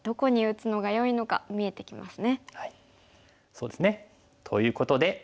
そうですね。ということで。